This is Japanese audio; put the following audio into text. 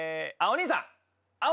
お兄さん。